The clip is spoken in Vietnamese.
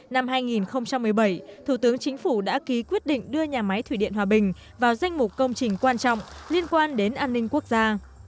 năm hai nghìn một mươi bảy thủ tướng chính phủ đã ký quyết định đưa nhà máy thủy điện hòa bình vào danh mục công trình quan trọng liên quan đến an ninh quốc gia